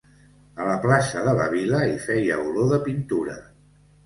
A la plaça de la Vila hi feia olor de pintura.